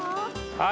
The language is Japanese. はい。